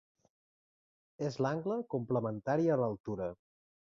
És l'angle complementari a l'altura.